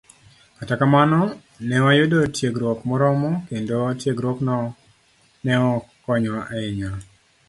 Kata kamano, ne wayudo tiegruok moromo, kendo tiegruokno ne ok konywa ahinya